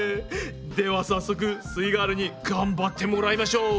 では早速すイガールに頑張ってもらいましょう。